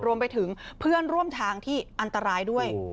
รวมไปถึงเพื่อนร่วมทางที่อันตรายด้วย